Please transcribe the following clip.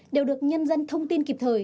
đều được nhân dân thông tin kịp thời